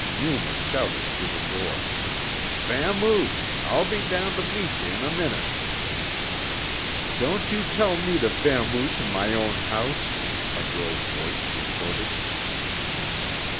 Yuma shouted through the door, "Vamoose, I'll be down tuh meet yuh in a minute!" "Don't you tell me to vamoose in my own house," a girl's voice retorted.